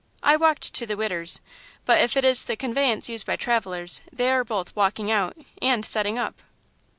I walked to the 'Widder's,' but if it is the conveyance used by travellers, they are both 'walking out' and 'settin' up.'"